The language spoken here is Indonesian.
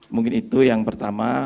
mungkin itu yang pertama